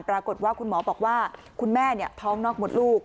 ปรากฏว่าคุณหมอบอกว่าคุณแม่ท้องนอกหมดลูก